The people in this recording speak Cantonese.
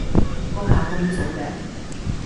閣下咁早嘅？